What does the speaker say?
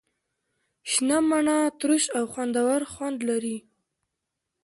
شنه مڼه ترش او خوندور خوند لري.